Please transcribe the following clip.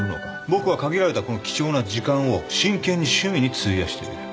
僕は限られたこの貴重な時間を真剣に趣味に費やしている。